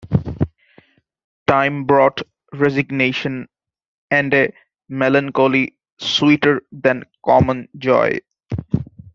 Time brought resignation, and a melancholy sweeter than common joy.